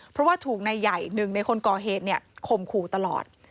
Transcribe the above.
เพราะว่าถูกนายใหญ่หนึ่งในคนก่อเหตุข่มขู่ตลอด